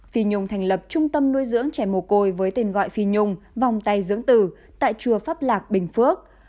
phi nhung thành lập trung tâm nuôi dưỡng trẻ mồ côi với tên gọi phi nhung vòng tay dưỡng tử tại chùa pháp lạc bình phước